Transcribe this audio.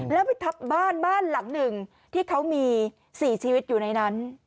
แล้วไปทับบ้านบ้านหลังหนึ่งที่เขามี๔ชีวิตอยู่ในนั้น